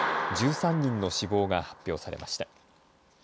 １３人の死亡が発表されました。